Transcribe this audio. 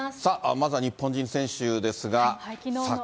さあ、まずは日本人選手ですが。